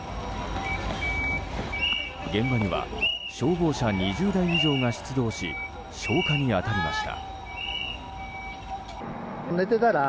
現場には消防車２０台以上が出動し消火に当たりました。